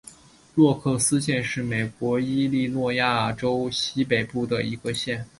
诺克斯县是美国伊利诺伊州西北部的一个县。